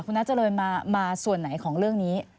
คุณนัทเจริญมาส่วนไหนของเรื่องนี้